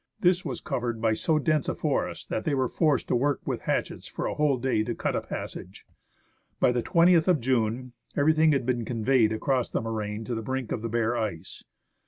This was covered by so dense a forest that they were forced to work with hatchets for a whole day to cut a passage. By the 20th of June everything had been conveyed across the moraine to the brink of the bare ice.